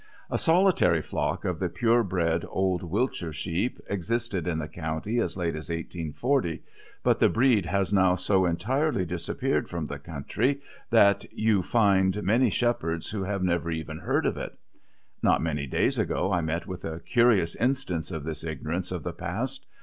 A solitary flock of the pure bred old Wiltshire sheep existed in the county as late as 1840, but the breed has now so entirely disappeared from the country that you find many shepherds who have never even heard of it. Not many days ago I met with a curious instance of this ignorance of the past.